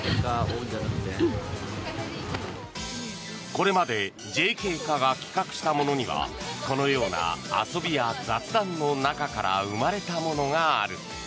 これまでＪＫ課が企画したものにはこのような遊びや雑談の中から生まれたものがある。